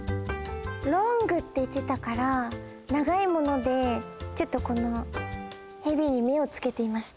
“ｌｏｎｇ”っていってたからながいものでちょっとこのヘビに目をつけていました。